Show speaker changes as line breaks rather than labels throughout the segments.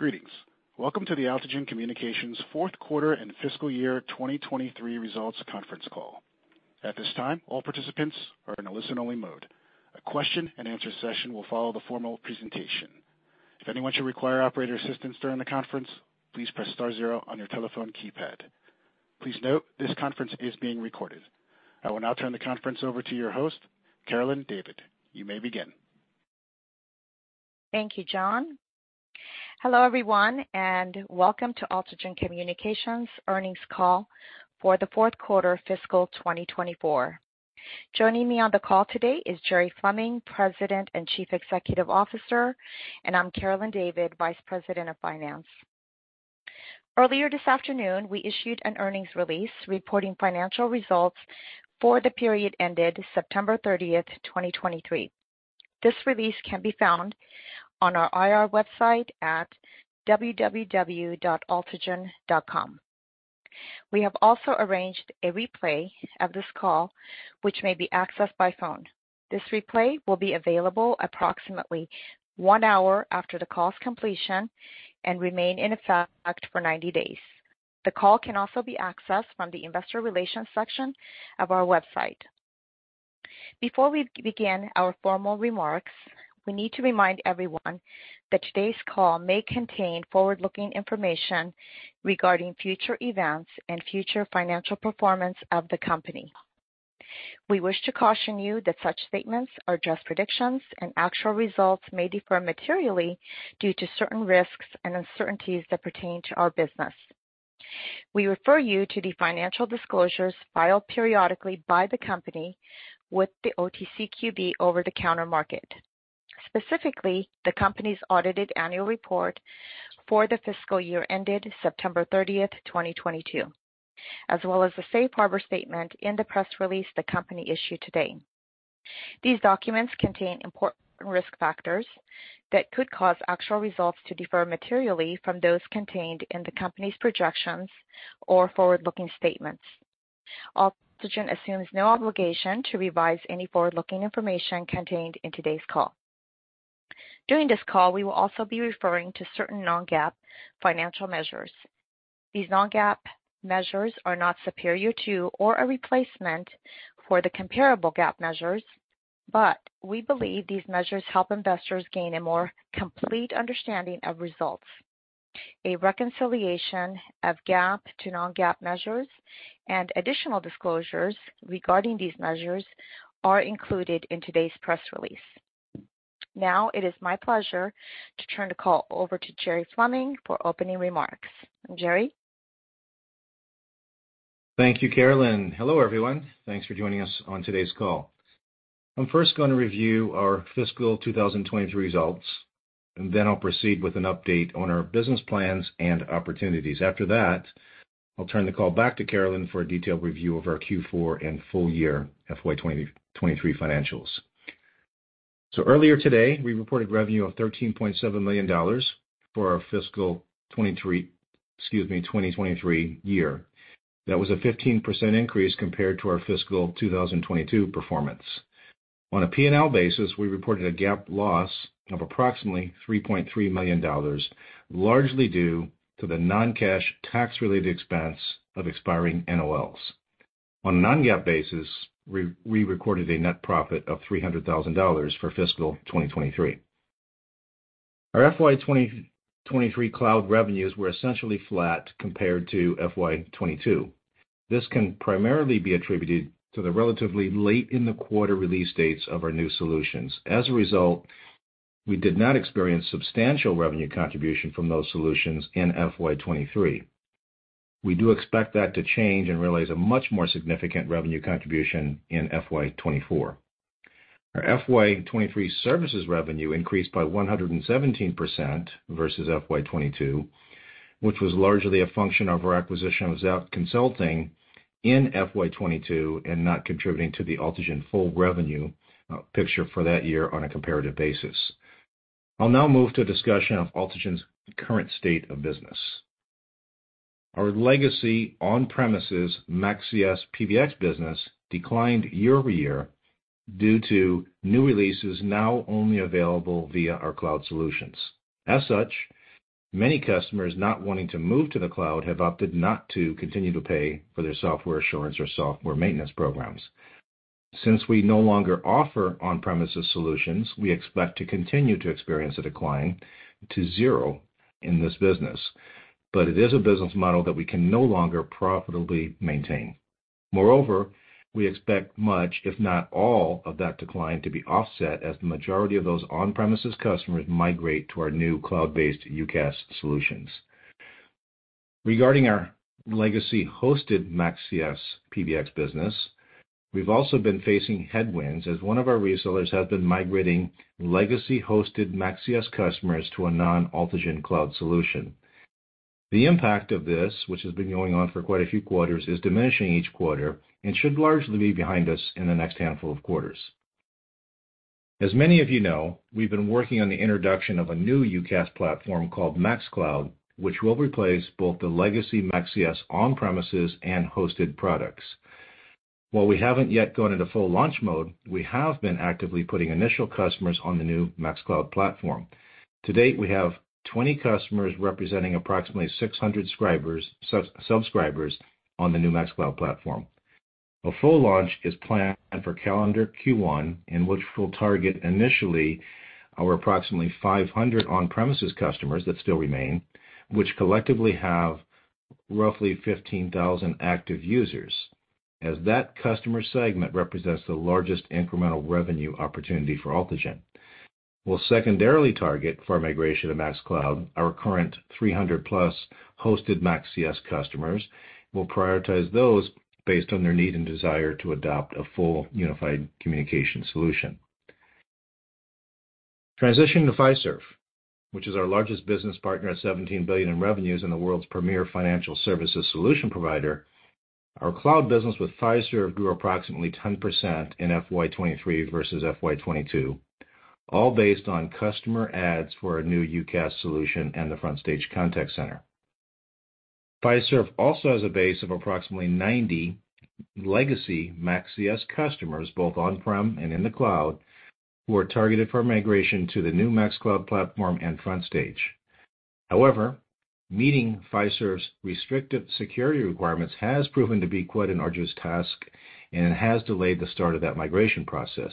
Greetings. Welcome to the AltiGen Communications fourth quarter and fiscal year 2023 results conference call. At this time, all participants are in a listen-only mode. A question-and-answer session will follow the formal presentation. If anyone should require operator assistance during the conference, please press star zero on your telephone keypad. Please note, this conference is being recorded. I will now turn the conference over to your host, Carolyn David. You may begin.
Thank you, John. Hello, everyone, and welcome to AltiGen Communications earnings call for the fourth quarter fiscal 2024. Joining me on the call today is Jerry Fleming, President and Chief Executive Officer, and I'm Carolyn David, Vice President of Finance. Earlier this afternoon, we issued an earnings release reporting financial results for the period ended September 30th, 2023. This release can be found on our IR website at www.AltiGen.com. We have also arranged a replay of this call, which may be accessed by phone. This replay will be available approximately one hour after the call's completion and remain in effect for 90 days. The call can also be accessed from the investor relations section of our website. Before we begin our formal remarks, we need to remind everyone that today's call may contain forward-looking information regarding future events and future financial performance of the company. We wish to caution you that such statements are just predictions, and actual results may differ materially due to certain risks and uncertainties that pertain to our business. We refer you to the financial disclosures filed periodically by the company with the OTCQB over-the-counter market, specifically the company's audited annual report for the fiscal year ended September 30th, 2022, as well as the safe harbor statement in the press release the company issued today. These documents contain important risk factors that could cause actual results to differ materially from those contained in the company's projections or forward-looking statements. AltiGen assumes no obligation to revise any forward-looking information contained in today's call. During this call, we will also be referring to certain non-GAAP financial measures. These non-GAAP measures are not superior to or a replacement for the comparable GAAP measures, but we believe these measures help investors gain a more complete understanding of results. A reconciliation of GAAP to non-GAAP measures and additional disclosures regarding these measures are included in today's press release. Now, it is my pleasure to turn the call over to Jerry Fleming for opening remarks. Jerry?
Thank you, Carolyn. Hello, everyone. Thanks for joining us on today's call. I'm first going to review our fiscal 2023 results, and then I'll proceed with an update on our business plans and opportunities. After that, I'll turn the call back to Carolyn for a detailed review of our Q4 and full year FY 2023 financials. So earlier today, we reported revenue of $13.7 million for our fiscal 2023, excuse me, 2023 year. That was a 15% increase compared to our fiscal 2022 performance. On a P&L basis, we reported a GAAP loss of approximately $3.3 million, largely due to the non-cash tax-related expense of expiring NOLs. On a non-GAAP basis, we recorded a net profit of $300,000 for fiscal 2023. Our FY 2023 cloud revenues were essentially flat compared to FY 2022. This can primarily be attributed to the relatively late in the quarter release dates of our new solutions. As a result, we did not experience substantial revenue contribution from those solutions in FY 2023. We do expect that to change and realize a much more significant revenue contribution in FY 2024. Our FY 2023 services revenue increased by 117% versus FY 2022, which was largely a function of our acquisition of ZAACT Consulting in FY 2022 and not contributing to the AltiGen full revenue picture for that year on a comparative basis. I'll now move to a discussion of AltiGen's current state of business. Our legacy on-premises MaxCS PBX business declined year-over-year due to new releases now only available via our cloud solutions. As such, many customers not wanting to move to the cloud have opted not to continue to pay for their software assurance or software maintenance programs. Since we no longer offer on-premises solutions, we expect to continue to experience a decline to zero in this business. But it is a business model that we can no longer profitably maintain. Moreover, we expect much, if not all, of that decline to be offset as the majority of those on-premises customers migrate to our new cloud-based UCaaS solutions. Regarding our legacy hosted MaxCS PBX business, we've also been facing headwinds as one of our resellers has been migrating legacy hosted MaxCS customers to a non-AltiGen cloud solution. The impact of this, which has been going on for quite a few quarters, is diminishing each quarter and should largely be behind us in the next handful of quarters. As many of you know, we've been working on the introduction of a new UCaaS platform called MaxCloud, which will replace both the legacy MaxCS on-premises and hosted products. While we haven't yet gone into full launch mode, we have been actively putting initial customers on the new MaxCloud platform. To date, we have 20 customers representing approximately 600 subscribers on the new MaxCloud platform. A full launch is planned for calendar Q1, in which we'll target initially our approximately 500 on-premises customers that still remain, which collectively have roughly 15,000 active users, as that customer segment represents the largest incremental revenue opportunity for AltiGen. We'll secondarily target for migration to MaxCloud, our current 300+ hosted MaxCS customers. We'll prioritize those based on their need and desire to adopt a full unified communication solution. Transitioning to Fiserv, which is our largest business partner at $17 billion in revenues and the world's premier financial services solution provider, our cloud business with Fiserv grew approximately 10% in FY 2023 versus FY 2022, all based on customer adds for our new UCaaS solution and the FrontStage Contact Center. Fiserv also has a base of approximately 90 legacy MaxCS customers, both on-prem and in the cloud, who are targeted for migration to the new MaxCloud platform and FrontStage. However, meeting Fiserv's restrictive security requirements has proven to be quite an arduous task, and it has delayed the start of that migration process.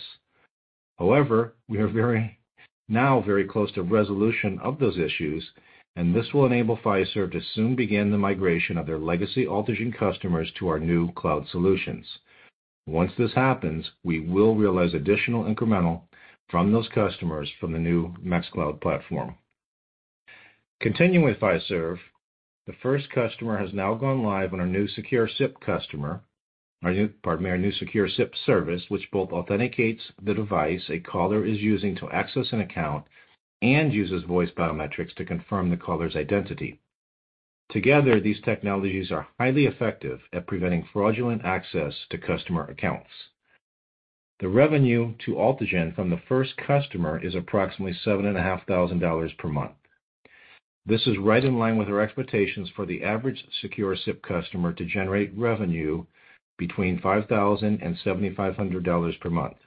However, we are now very close to resolution of those issues, and this will enable Fiserv to soon begin the migration of their legacy AltiGen customers to our new cloud solutions. Once this happens, we will realize additional incremental from those customers from the new MaxCloud platform. Continuing with Fiserv, the first customer has now gone live on our new Secure SIP customer—pardon, our new Secure SIP service, which both authenticates the device a caller is using to access an account and uses voice biometrics to confirm the caller's identity. Together, these technologies are highly effective at preventing fraudulent access to customer accounts. The revenue to AltiGen from the first customer is approximately $7,500 per month. This is right in line with our expectations for the average Secure SIP customer to generate revenue between $5,000 and $7,500 per month.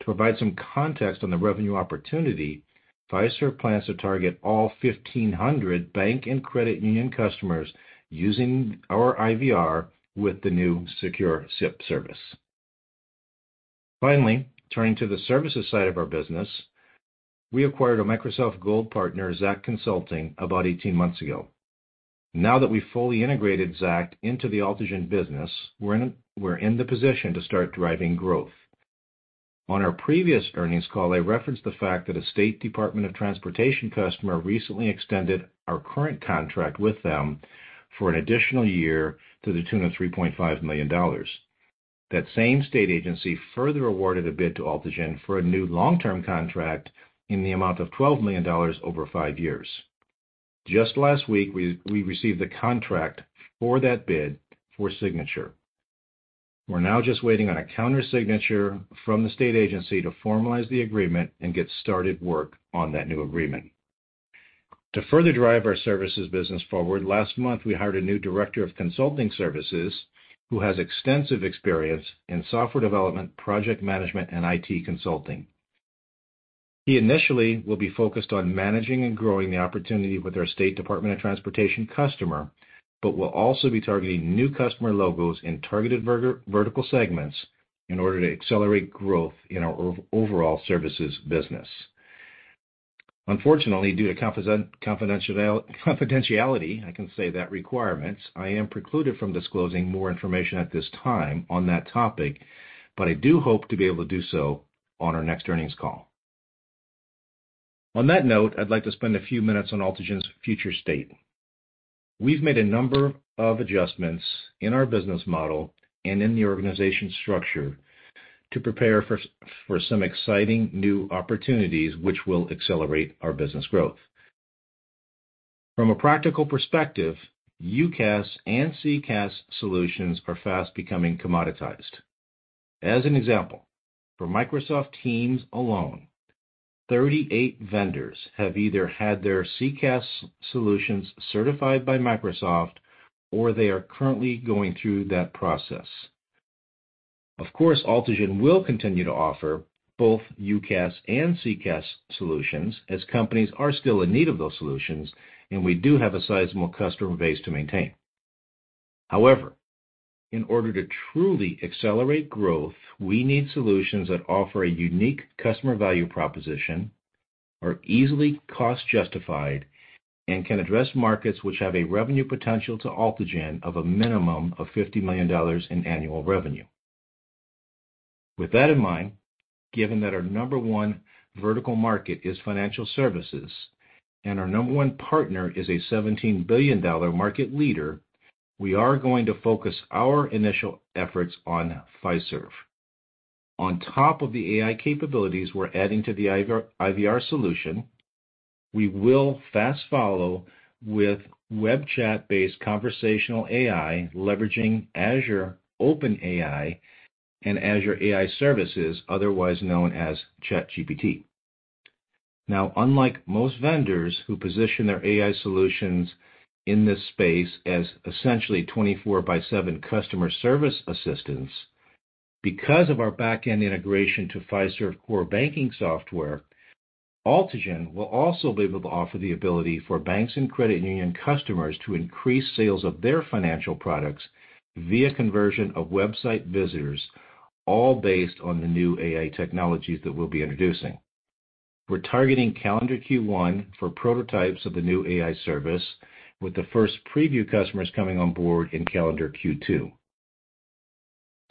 To provide some context on the revenue opportunity, Fiserv plans to target all 1,500 bank and credit union customers using our IVR with the new Secure SIP service. Finally, turning to the services side of our business, we acquired a Microsoft Gold partner, ZAACT Consulting, about 18 months ago. Now that we've fully integrated ZAACT into the AltiGen business, we're in the position to start driving growth. On our previous earnings call, I referenced the fact that a state Department of Transportation customer recently extended our current contract with them for an additional year to the tune of $3.5 million. That same state agency further awarded a bid to AltiGen for a new long-term contract in the amount of $12 million over five years. Just last week, we received the contract for that bid for signature. We're now just waiting on a counter signature from the state agency to formalize the agreement and get started work on that new agreement. To further drive our services business forward, last month, we hired a new director of consulting services who has extensive experience in software development, project management, and IT consulting. He initially will be focused on managing and growing the opportunity with our state Department of Transportation customer, but will also be targeting new customer logos in targeted vertical segments in order to accelerate growth in our overall services business. Unfortunately, due to confidentiality requirements, I am precluded from disclosing more information at this time on that topic, but I do hope to be able to do so on our next earnings call. On that note, I'd like to spend a few minutes on AltiGen's future state. We've made a number of adjustments in our business model and in the organization structure to prepare for some exciting new opportunities which will accelerate our business growth. From a practical perspective, UCaaS and CCaaS solutions are fast becoming commoditized. As an example, for Microsoft Teams alone, 38 vendors have either had their CCaaS solutions certified by Microsoft, or they are currently going through that process. Of course, AltiGen will continue to offer both UCaaS and CCaaS solutions, as companies are still in need of those solutions, and we do have a sizable customer base to maintain. However, in order to truly accelerate growth, we need solutions that offer a unique customer value proposition, are easily cost-justified, and can address markets which have a revenue potential to AltiGen of a minimum of $50 million in annual revenue. With that in mind, given that our number one vertical market is financial services and our number one partner is a $17 billion market leader, we are going to focus our initial efforts on Fiserv. On top of the AI capabilities we're adding to the IVR solution, we will fast follow with web chat-based conversational AI, leveraging Azure OpenAI and Azure AI services, otherwise known as ChatGPT. Now, unlike most vendors who position their AI solutions in this space as essentially 24/7 customer service assistants, because of our back-end integration to Fiserv core banking software, AltiGen will also be able to offer the ability for banks and credit union customers to increase sales of their financial products via conversion of website visitors, all based on the new AI technologies that we'll be introducing. We're targeting calendar Q1 for prototypes of the new AI service, with the first preview customers coming on board in calendar Q2.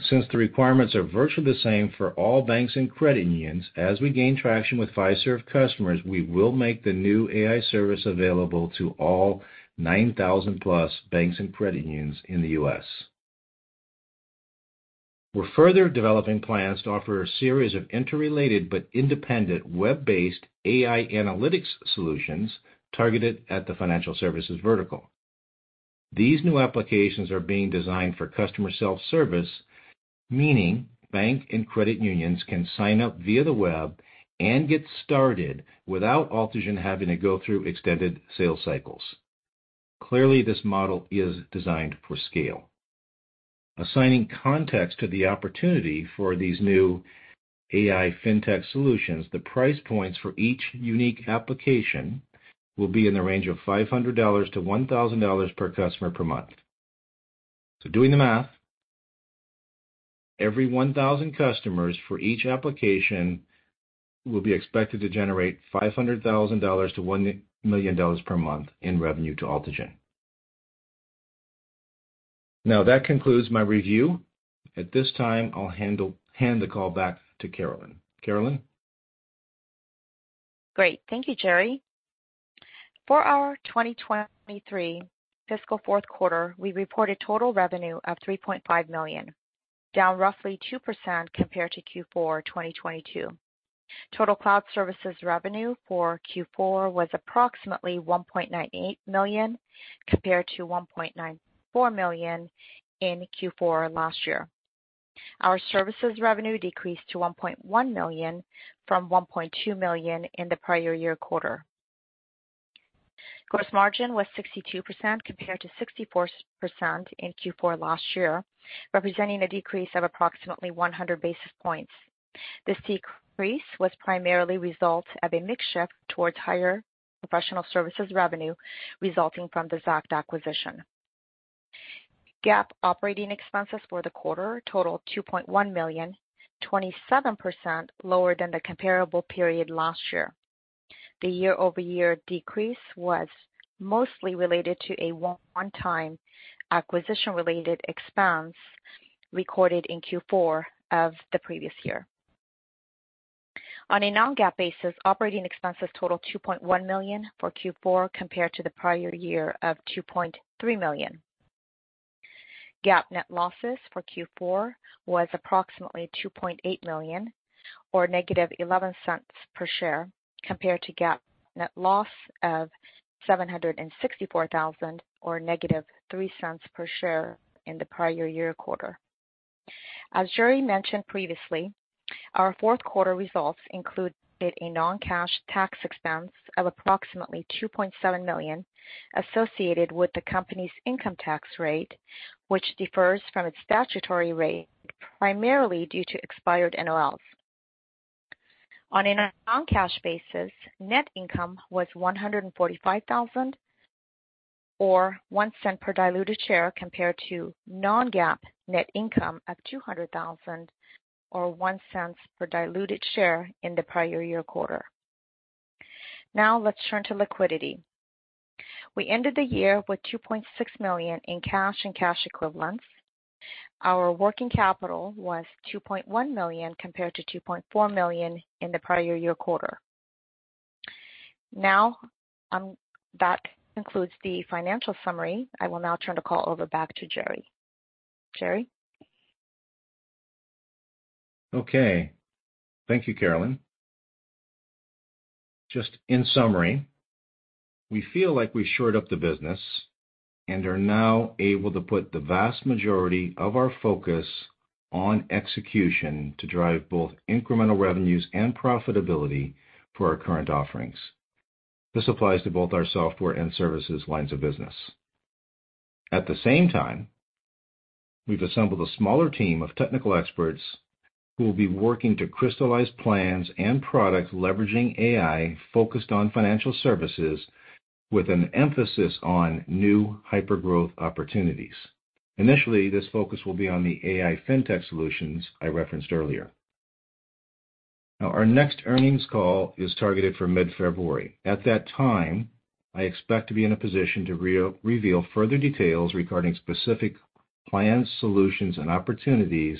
Since the requirements are virtually the same for all banks and credit unions, as we gain traction with Fiserv customers, we will make the new AI service available to all 9,000+ banks and credit unions in the U.S. We're further developing plans to offer a series of interrelated but independent web-based AI analytics solutions targeted at the financial services vertical. These new applications are being designed for customer self-service, meaning bank and credit unions can sign up via the web and get started without AltiGen having to go through extended sales cycles. Clearly, this model is designed for scale. Assigning context to the opportunity for these new AI fintech solutions, the price points for each unique application will be in the range of $500-$1,000 per customer per month. So doing the math, every 1,000 customers for each application will be expected to generate $500,000-$1 million per month in revenue to AltiGen. Now, that concludes my review. At this time, I'll hand the call back to Carolyn. Carolyn?
Great. Thank you, Jerry. For our 2023 fiscal fourth quarter, we reported total revenue of $3.5 million, down roughly 2% compared to Q4 2022. Total cloud services revenue for Q4 was approximately $1.98 million, compared to $1.94 million in Q4 last year. Our services revenue decreased to $1.1 million from $1.2 million in the prior year quarter. Gross margin was 62%, compared to 64% in Q4 last year, representing a decrease of approximately 100 basis points. This decrease was primarily result of a mix shift towards higher professional services revenue resulting from the ZAACT acquisition. GAAP operating expenses for the quarter totaled $2.1 million, 27% lower than the comparable period last year. The year-over-year decrease was mostly related to a one-time acquisition-related expense recorded in Q4 of the previous year. On a non-GAAP basis, operating expenses totaled $2.1 million for Q4 compared to the prior year of $2.3 million. GAAP net losses for Q4 was approximately $2.8 million, or -$0.11 per share, compared to GAAP net loss of $764 thousand or -$0.03 per share in the prior year quarter. As Jerry mentioned previously, our fourth quarter results included a non-cash tax expense of approximately $2.7 million associated with the company's income tax rate, which differs from its statutory rate, primarily due to expired NOLs. On a non-cash basis, net income was $145,000, or $0.01 per diluted share, compared to non-GAAP net income of $200,000 or $0.01 per diluted share in the prior year quarter. Now let's turn to liquidity. We ended the year with $2.6 million in cash and cash equivalents. Our working capital was $2.1 million, compared to $2.4 million in the prior year quarter. Now, that concludes the financial summary. I will now turn the call over back to Jerry. Jerry?
Okay. Thank you, Carolyn. Just in summary, we feel like we shored up the business and are now able to put the vast majority of our focus on execution to drive both incremental revenues and profitability for our current offerings. This applies to both our software and services lines of business. At the same time, we've assembled a smaller team of technical experts who will be working to crystallize plans and products leveraging AI, focused on financial services with an emphasis on new hypergrowth opportunities. Initially, this focus will be on the AI fintech solutions I referenced earlier. Now, our next earnings call is targeted for mid-February. At that time, I expect to be in a position to re-reveal further details regarding specific plans, solutions, and opportunities,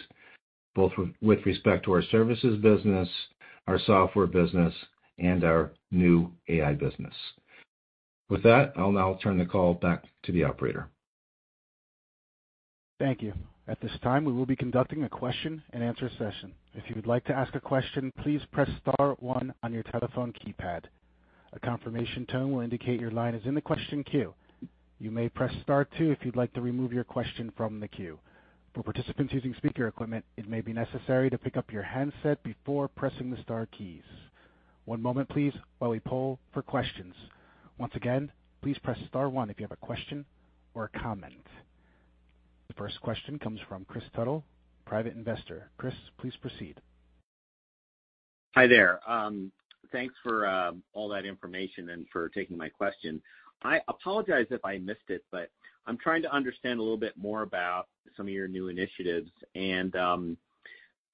both with, with respect to our services business, our software business, and our new AI business. With that, I'll now turn the call back to the operator.
Thank you. At this time, we will be conducting a question-and-answer session. If you would like to ask a question, please press star one on your telephone keypad. A confirmation tone will indicate your line is in the question queue. You may press star two if you'd like to remove your question from the queue. For participants using speaker equipment, it may be necessary to pick up your handset before pressing the star keys. One moment please while we poll for questions. Once again, please press star one if you have a question or a comment. The first question comes from Chris Tuttle, Private Investor. Chris, please proceed.
Hi there. Thanks for all that information and for taking my question. I apologize if I missed it, but I'm trying to understand a little bit more about some of your new initiatives. And,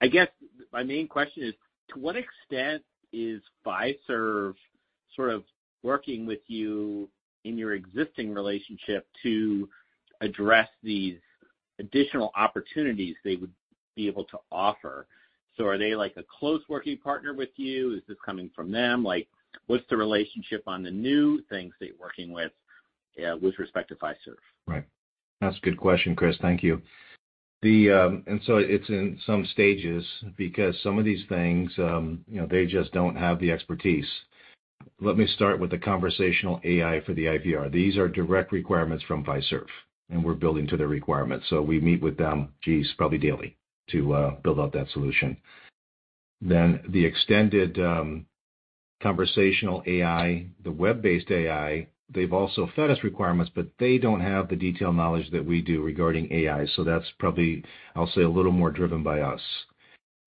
I guess my main question is: to what extent is Fiserv sort of working with you in your existing relationship to address these additional opportunities they would be able to offer? So are they like a close working partner with you? Is this coming from them? Like, what's the relationship on the new things that you're working with, with respect to Fiserv?
Right. That's a good question, Chris. Thank you. The... And so it's in some stages because some of these things, you know, they just don't have the expertise. Let me start with the conversational AI for the IVR. These are direct requirements from Fiserv, and we're building to their requirements, so we meet with them, geez, probably daily to build out that solution. Then the extended conversational AI, the web-based AI, they've also fed us requirements, but they don't have the detailed knowledge that we do regarding AI, so that's probably, I'll say, a little more driven by us.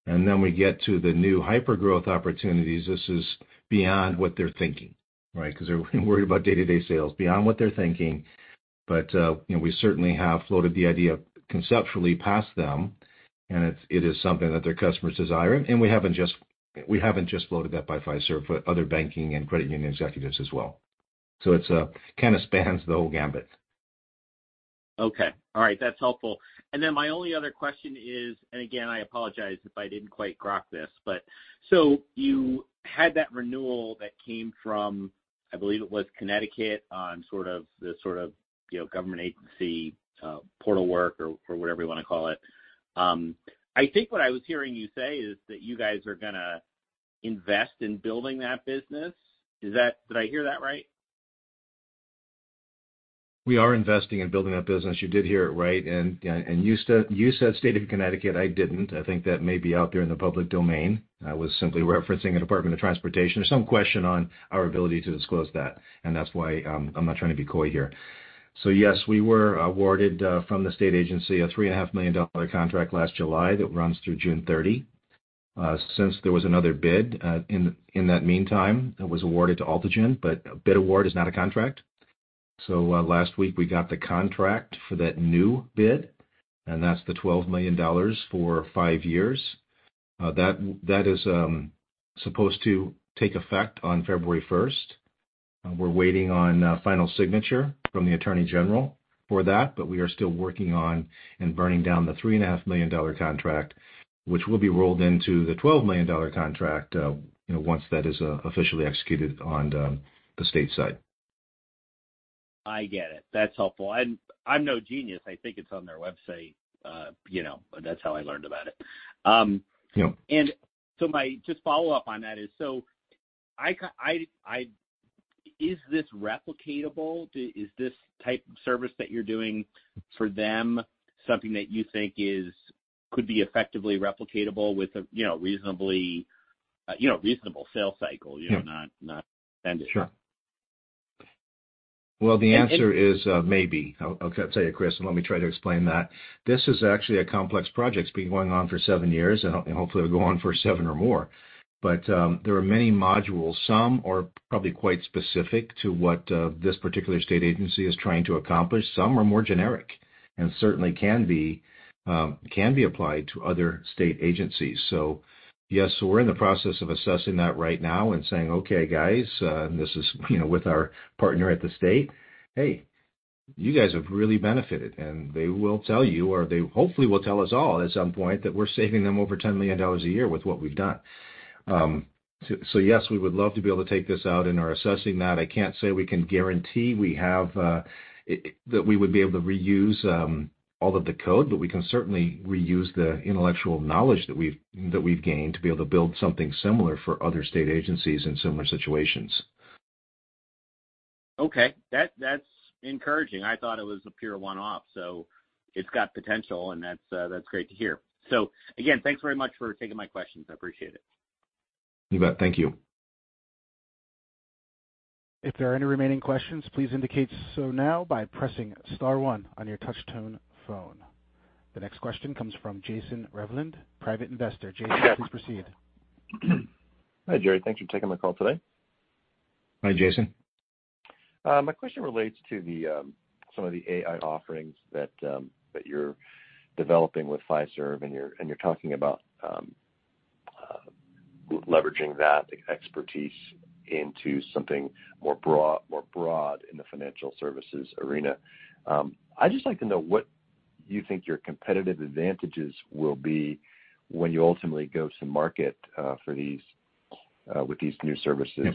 And then we get to the new hyper growth opportunities. This is beyond what they're thinking, right? Because they're worried about day-to-day sales, beyond what they're thinking. But, you know, we certainly have floated the idea conceptually past them, and it's, it is something that their customers desire. And we haven't just, we haven't just floated that by Fiserv, but other banking and credit union executives as well. So it's, kind of spans the whole gambit.
Okay. All right. That's helpful. And then my only other question is, and again, I apologize if I didn't quite grok this, but so you had that renewal that came from, I believe it was Connecticut, on sort of, the sort of, you know, government agency portal work or, or whatever you wanna call it. I think what I was hearing you say is that you guys are gonna invest in building that business. Is that—did I hear that right?
We are investing in building that business. You did hear it right. And you said state of Connecticut, I didn't. I think that may be out there in the public domain. I was simply referencing the Department of Transportation. There's some question on our ability to disclose that, and that's why I'm not trying to be coy here. So yes, we were awarded from the state agency a $3.5 million contract last July that runs through June 30. Since there was another bid in that meantime, it was awarded to AltiGen, but a bid award is not a contract. So last week, we got the contract for that new bid, and that's the $12 million for five years. That is supposed to take effect on February 1st. We're waiting on final signature from the attorney general for that, but we are still working on and burning down the $3.5 million contract, which will be rolled into the $12 million contract, you know, once that is officially executed on the state side.
I get it. That's helpful. I'm no genius. I think it's on their website, you know, but that's how I learned about it.
Yeah.
So my just follow-up on that is, is this replicatable? Is this type of service that you're doing for them something that you think is could be effectively replicatable with a, you know, reasonably, you know, reasonable sales cycle?
Yeah.
You know, not, not extended.
Sure. Well, the answer is, maybe. I'll, I'll tell you, Chris, and let me try to explain that. This is actually a complex project. It's been going on for seven years, and hopefully it'll go on for seven or more. But, there are many modules. Some are probably quite specific to what this particular state agency is trying to accomplish. Some are more generic and certainly can be applied to other state agencies. So yes, we're in the process of assessing that right now and saying, "Okay, guys," and this is, you know, with our partner at the state, "Hey, you guys have really benefited." And they will tell you, or they hopefully will tell us all at some point, that we're saving them over $10 million a year with what we've done. So, yes, we would love to be able to take this out and are assessing that. I can't say we can guarantee that we would be able to reuse all of the code, but we can certainly reuse the intellectual knowledge that we've gained to be able to build something similar for other state agencies in similar situations.
Okay. That, that's encouraging. I thought it was a pure one-off, so it's got potential, and that's great to hear. So again, thanks very much for taking my questions. I appreciate it.
You bet. Thank you.
If there are any remaining questions, please indicate so now by pressing star one on your touch tone phone. The next question comes from Jason Revland, private investor. Jason, please proceed.
Hi, Jerry. Thanks for taking my call today.
Hi, Jason.
My question relates to the some of the AI offerings that that you're developing with Fiserv, and you're and you're talking about leveraging that expertise into something more broad, more broad in the financial services arena. I'd just like to know what you think your competitive advantages will be when you ultimately go to market for these with these new services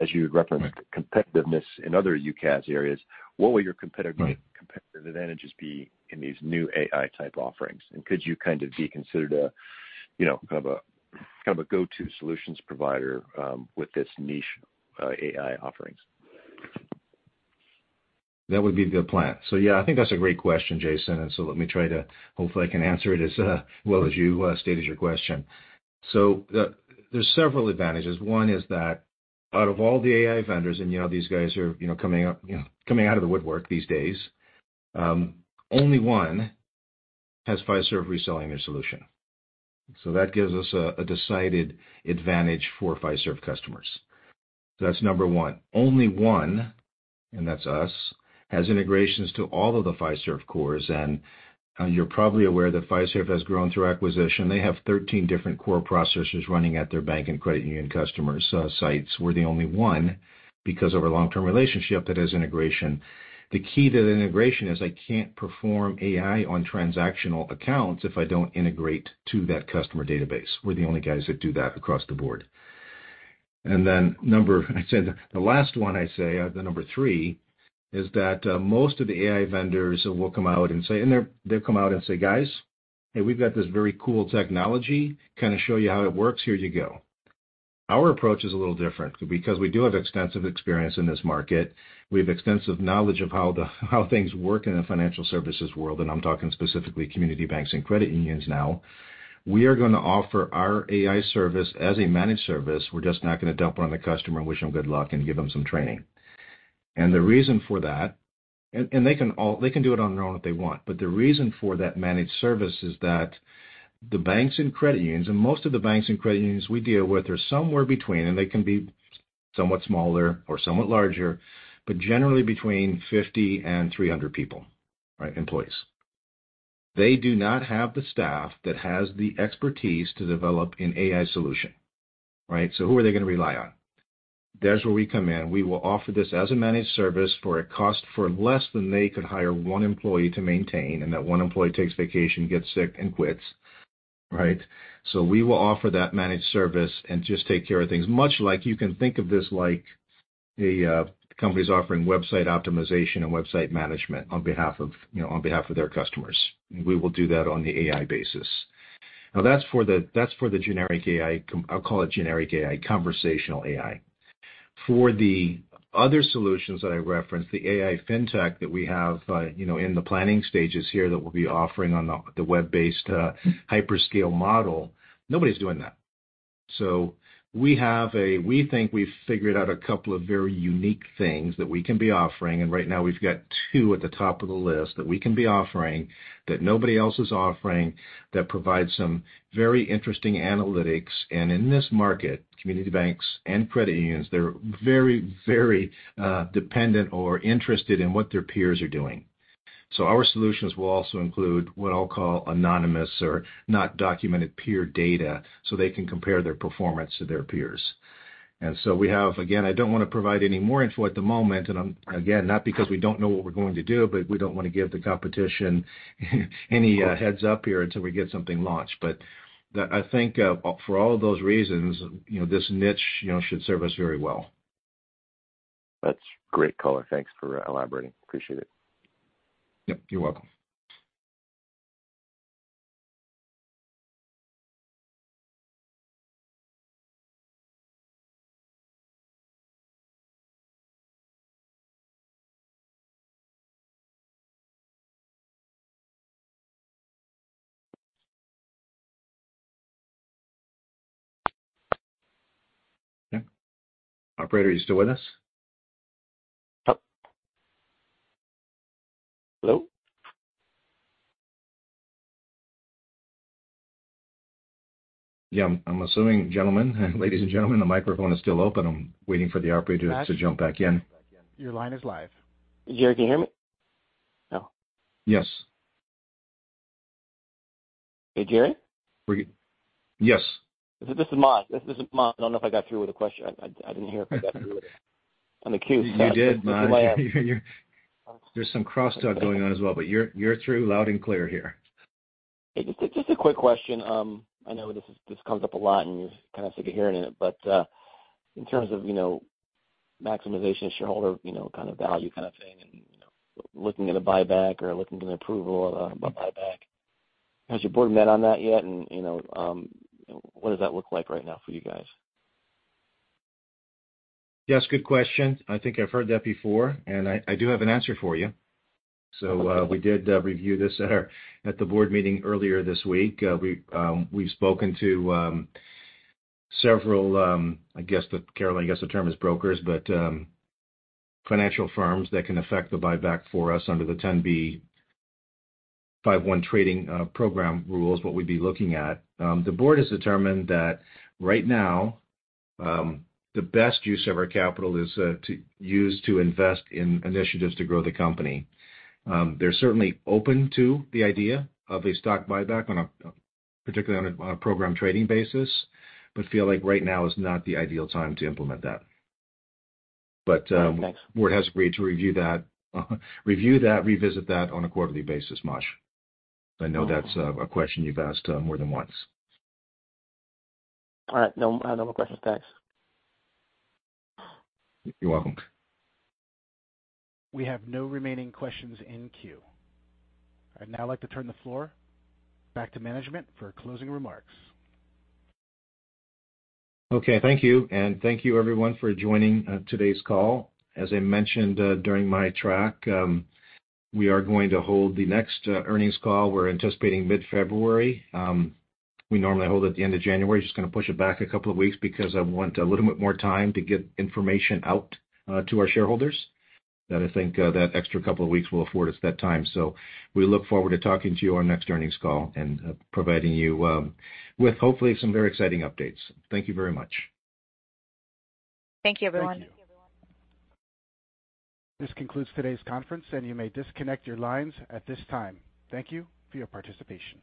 as you had referenced. Competitiveness in other UCaaS areas, what will your competitive, competitive advantages be in these new AI-type offerings? And could you kind of be considered a, you know, kind of a, kind of a go-to solutions provider with this niche AI offerings?
That would be the plan. So yeah, I think that's a great question, Jason, and so let me try to—hopefully, I can answer it as well as you stated your question. So, the, there's several advantages. One is that out of all the AI vendors, and, you know, these guys are, you know, coming up, you know, coming out of the woodwork these days, only one has Fiserv reselling their solution. So that gives us a decided advantage for Fiserv customers. So that's number one. Only one, and that's us, has integrations to all of the Fiserv cores. And, you're probably aware that Fiserv has grown through acquisition. They have 13 different core processors running at their bank and credit union customers, sites. We're the only one, because of our long-term relationship, that has integration. The key to the integration is I can't perform AI on transactional accounts if I don't integrate to that customer database. We're the only guys that do that across the board. And then number three, I'd say the last one, is that most of the AI vendors will come out and say, "Guys, hey, we've got this very cool technology. Can I show you how it works? Here you go." Our approach is a little different because we do have extensive experience in this market. We have extensive knowledge of how things work in the financial services world, and I'm talking specifically community banks and credit unions now. We are gonna offer our AI service as a managed service. We're just not gonna dump it on the customer and wish them good luck and give them some training. The reason for that is that they can do it on their own if they want, but the reason for that managed service is that the banks and credit unions, and most of the banks and credit unions we deal with, are somewhere between, and they can be somewhat smaller or somewhat larger, but generally between 50 and 300 people, right, employees. They do not have the staff that has the expertise to develop an AI solution, right? So who are they gonna rely on? There's where we come in. We will offer this as a managed service for a cost for less than they could hire one employee to maintain, and that one employee takes vacation, gets sick, and quits, right? So we will offer that managed service and just take care of things. Much like you can think of this like a company's offering website optimization and website management on behalf of, you know, on behalf of their customers. We will do that on the AI basis. Now, that's for the, that's for the generic AI. I'll call it generic AI, conversational AI. For the other solutions that I referenced, the AI fintech that we have, you know, in the planning stages here that we'll be offering on the, the web-based, hyperscale model, nobody's doing that. So we have a—we think we've figured out a couple of very unique things that we can be offering, and right now we've got two at the top of the list that we can be offering, that nobody else is offering, that provide some very interesting analytics. In this market, community banks and credit unions, they're very, very dependent or interested in what their peers are doing. So our solutions will also include what I'll call anonymous or not documented peer data, so they can compare their performance to their peers. And so we have... Again, I don't want to provide any more info at the moment, and again, not because we don't know what we're going to do, but we don't want to give the competition any heads-up here until we get something launched. But the, I think, for all those reasons, you know, this niche, you know, should serve us very well.
That's great color. Thanks for elaborating. Appreciate it.
Yep, you're welcome. Okay. Operator, are you still with us?
Yep. Hello?
Yeah, I'm assuming, gentlemen, ladies and gentlemen, the microphone is still open. I'm waiting for the operator to jump back in.
Your line is live.
Jerry, can you hear me? No.
Yes.
Hey, Jerry?
We- Yes.
This is Mash. I don't know if I got through with a question. I didn't hear if I got through it. I'm accused-
You did, Mash. There's some cross talk going on as well, but you're through loud and clear here.
Just a quick question. I know this is, this comes up a lot, and you're kind of sick of hearing it, but in terms of, you know, maximization of shareholder, you know, kind of value kind of thing, and, you know, looking at a buyback or looking at an approval about buyback, has your board met on that yet? And what does that look like right now for you guys?
Yes, good question. I think I've heard that before, and I do have an answer for you. So, we did review this at our board meeting earlier this week. We've spoken to several. I guess, Carolyn, the term is brokers, but financial firms that can affect the buyback for us under the 10b5-1 trading program rules, what we'd be looking at. The board has determined that right now, the best use of our capital is to use to invest in initiatives to grow the company. They're certainly open to the idea of a stock buyback, particularly on a program trading basis, but feel like right now is not the ideal time to implement that. But, the board has agreed to review that, revisit that on a quarterly basis, Mash. I know that's a question you've asked more than once.
All right. No, I have no more questions. Thanks.
You're welcome.
We have no remaining questions in queue. I'd now like to turn the floor back to management for closing remarks.
Okay. Thank you, and thank you everyone for joining, today's call. As I mentioned, during my track, we are going to hold the next, earnings call, we're anticipating mid-February. We normally hold it at the end of January. Just gonna push it back a couple of weeks because I want a little bit more time to get information out, to our shareholders. That I think, that extra couple of weeks will afford us that time. So we look forward to talking to you on our next earnings call and, providing you, with hopefully some very exciting updates. Thank you very much.
Thank you, everyone.
Thank you.
This concludes today's conference, and you may disconnect your lines at this time. Thank you for your participation.